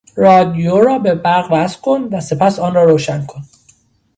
رادیو را به برق وصل کن و سپس آن را روشن کن.